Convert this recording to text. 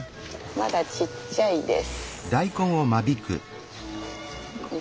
まだちっちゃいです。